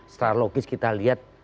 setelah logis kita lihat